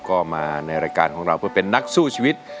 ก็มาในรายการของเราเพื่อเป็นนักสู้ชีวิต